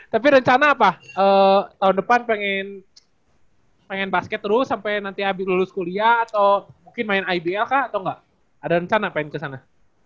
tapi rencana apa tahun depan pengen basket terus sampai nanti habis lulus kuliah atau mungkin main ibl kah atau nggak ada rencana pengen ke sana